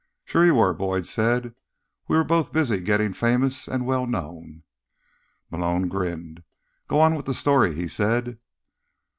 "Sure you were," Boyd said. "We were both busy getting famous and well known." Malone grinned. "Go on with the story," he said.